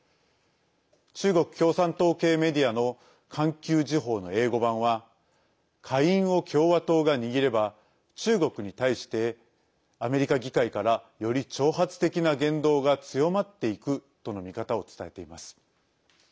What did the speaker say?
中国共産党系メディアの環球時報の英語版は下院を共和党が握れば中国に対して、アメリカ議会からより挑発的な言動が強まっていくとの見方を伝えています。